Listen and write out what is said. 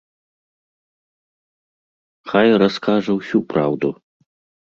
Хай раскажа ўсю праўду!